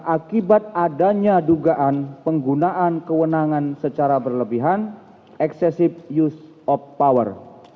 akibat adanya dugaan penggunaan kewenangan secara berlebihan excessive use of power